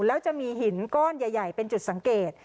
แล้วจะมีหินก้อนใหญ่เป็นจุดสังเกต